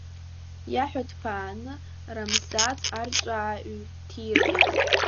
Иаҳәа ҭԥааны, Рамзыц арҵәаа ҩҭиргеит.